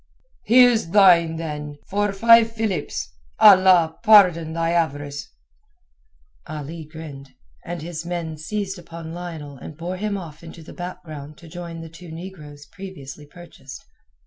"He is thine, then, for five philips—Allah pardon thy avarice." Ali grinned, and his men seized upon Lionel and bore him off into the background to join the two negroes previously purchased.